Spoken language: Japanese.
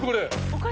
お金？